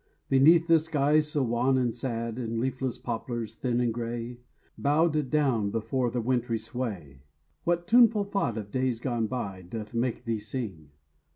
Beneath this sky so wan and sad, And leafless poplars, thin and grey, Bowed down before the wintry sway. What tuneful thought of days gone by Doth make thee sing?